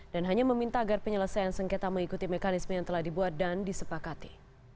dan hanya meminta agar penyelesaian sengketa mengikuti mekanisme yang telah dibuat dan disepakati